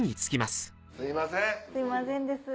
すいませんです。